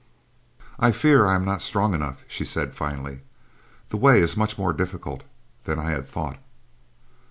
"I fear I am not strong enough," she said finally. "The way is much more difficult than I had thought."